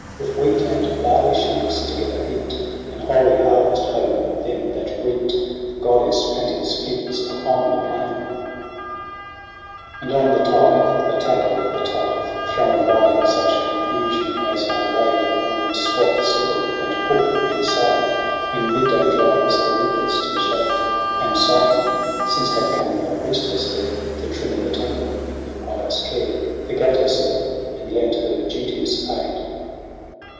With wheat and barley sheaves together heapt In holy harvest home of them that reapt The goddess' plenteous gifts upon the plain 5 And on the tithe the tackle of the tithe Thrown by in such confusion, as are laid Upon the swath sickle, and hook, and scythe, When midday drives the reapers to the shade. And Psyche, since had come no priestess there To trim the temple, in her pious care Forgat herself, and lent her duteous aid.